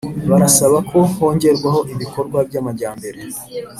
Barasaba ko hongerwa ibikorwa by’ amajyambere